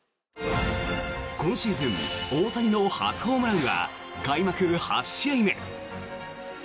今シーズン大谷の初ホームランは開幕８試合目。